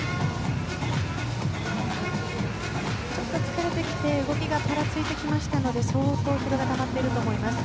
ちょっと疲れてきて動きがぱらついてきましたので相当、疲労がたまっていると思います。